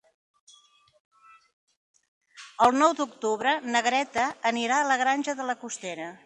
El nou d'octubre na Greta anirà a la Granja de la Costera.